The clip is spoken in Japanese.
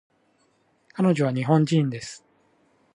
彼女は日本人です